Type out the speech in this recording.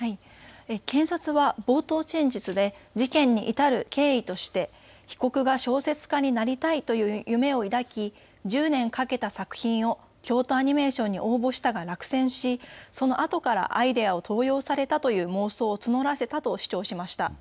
検察は冒頭陳述で事件に至る経緯として被告が小説家になりたいという夢を抱き１０年かけた作品を京都アニメーションに応募したが落選し、そのあとからアイデアを盗用されたという妄想を募らせたと主張しました。